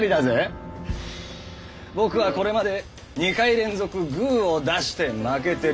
僕はこれまで２回連続「グー」を出して負けてる。